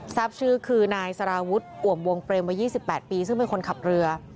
ทราบชื่อคือนายสารวุฒิอ่วมวงเปรมวัย๒๘ปีซึ่งเป็นคนขับเรือ